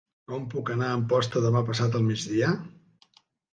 Com puc anar a Amposta demà passat al migdia?